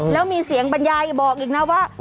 แล้วมีเสียงบรรยายบอกอีกนะว่า